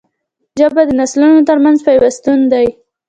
ژبه د نسلونو ترمنځ پیوستون دی